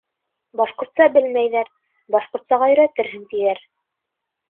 Башҡортса белмәйҙәр, башҡортсаға өйрәтерһең, тиҙәр.